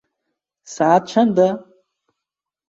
Saet çend e?